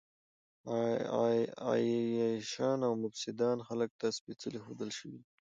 عياشان او مفسدان خلکو ته سپېڅلي ښودل شوي دي.